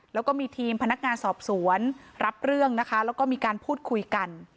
แล้วก็มีทีมพนักงานสอบสวนรับเรื่องนะคะแล้วก็มีการพูดคุยกัน